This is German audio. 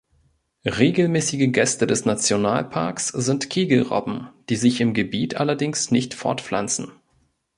Regelmäßige Gäste des Nationalparks sind Kegelrobben, die sich im Gebiet allerdings nicht fortpflanzen.